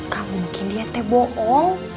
gak mungkin dia te bohong